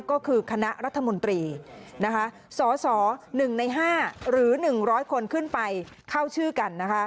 ก็คือคณะรัฐมนตรีสส๑ใน๕หรือ๑๐๐คนขึ้นไปเข้าชื่อกันนะคะ